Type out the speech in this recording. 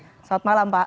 selamat malam pak